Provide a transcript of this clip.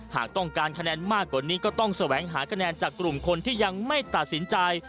หากต้องการคะแนนมากกว่านี้ก็ต้องแสวงหาคะแนนจากกลุ่มคนที่ยังไม่ตัดสินใจ